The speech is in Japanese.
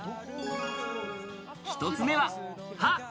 一つ目は歯。